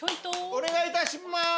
お願いいたします。